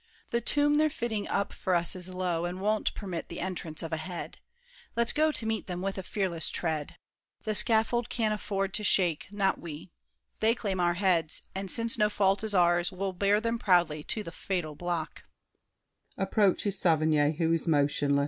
The tomb they're fitting up for us is low, And won't permit the entrance of a head. Let's go to meet them with a fearless tread. The scaffold can afford to shake, not we. They claim our heads; and since no fault is ours, We'll bear them proudly to the fatal block.